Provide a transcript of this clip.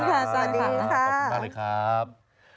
ขอบคุณค่ะสวัสดีครับขอบคุณมากเลยครับ